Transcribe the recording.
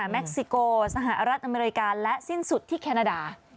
เค็กซิโกสหรัฐอเมริกาและสิ้นสุดที่แคนาดา